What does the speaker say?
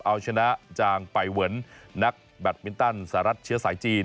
เอาชนะจางไปเวิร์นนักแบตมินตันสหรัฐเชื้อสายจีน